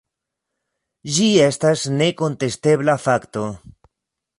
Ĝi estas nekontestebla fakto.